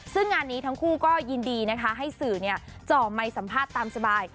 ซึ่งงานนี้ทั้งคู่ก็ยินดีนะคะให้สื่อจ่อไมค์สัมภาษณ์ตามสบาย